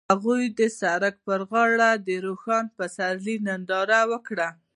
هغوی د سړک پر غاړه د روښانه پسرلی ننداره وکړه.